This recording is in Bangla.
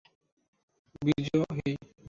বীর্যু, হেই!